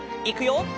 いくよ！